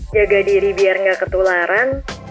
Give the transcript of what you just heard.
jaga diri biar nggak ketularan